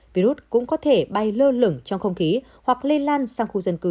virus cũng có thể bay lơ lửng trong không khí hoặc lây lan sang khu dân cư